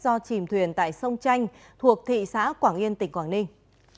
do chìm thuyền tại sông chanh thuộc thị xã quảng yên tỉnh quảng ninh